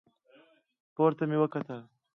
پورته مې وکتل.